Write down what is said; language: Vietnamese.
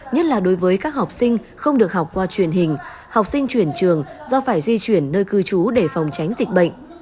nhất là đối với các học sinh không được học qua truyền hình học sinh chuyển trường do phải di chuyển nơi cư trú để phòng tránh dịch bệnh